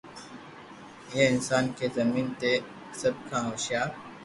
اها انسان کي زمين تي سڀ کان هوشيار